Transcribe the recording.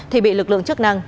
thì bị lực lượng chức năng